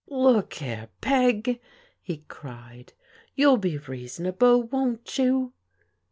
Look here. Peg," he cried, "youll be reasonable, won't you?"